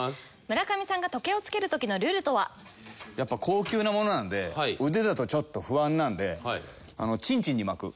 村上さんが時計をつける時のルールとは？やっぱ高級なものなんで腕だとちょっと不安なんで。